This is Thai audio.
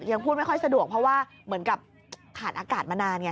ยังพูดไม่ค่อยสะดวกเพราะว่าเหมือนกับขาดอากาศมานานไง